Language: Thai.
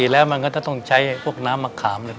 แล้วมันก็จะต้องใช้พวกน้ำมะขามเลย